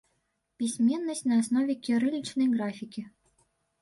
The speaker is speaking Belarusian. Пісьменнасць на аснове кірылічнай графікі.